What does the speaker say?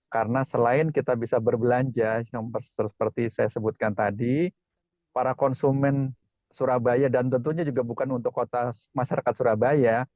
karena selain kita bisa berbelanja seperti saya sebutkan tadi para konsumen surabaya dan tentunya juga bukan untuk kota masyarakat surabaya